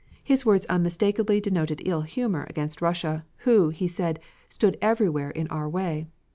His words unmistakably denoted ill humor against Russia, who, he said, stood everywhere in our way.